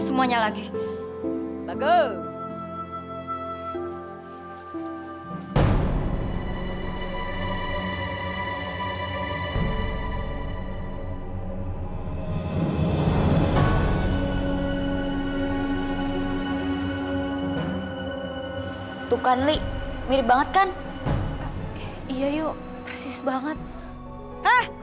sama sama mari mari bu ranti